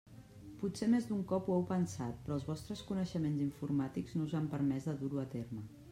Potser més d'un cop ho heu pensat però els vostres coneixements informàtics no us han permès de dur-ho a terme.